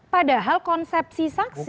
padahal konsepsi saksi